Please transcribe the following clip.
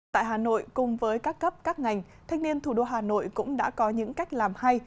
tại hà nội cùng với các cấp các ngành thanh niên thủ đô hà nội cũng đã có những cách làm hay